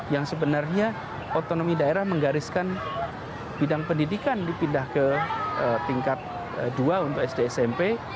yang sebenarnya otonomi daerah menggariskan bidang pendidikan dipindah ke tingkat dua untuk sd smp